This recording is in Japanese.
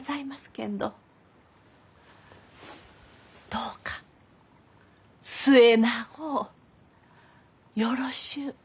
けんどどうか末永うよろしゅう